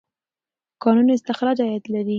د کانونو استخراج عاید لري.